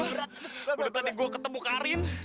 udah tadi gue ketemu karin